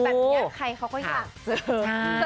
แบบนี้ใครเขาก็อยากเจอ